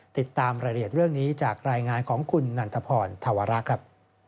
ติดตามรายละเอียดเรื่องนี้จากรายงานของคุณนันทพรธวระครับ